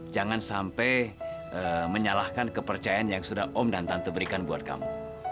jangan sampai menyalahkan kepercayaan yang sudah om dan tante berikan buat kamu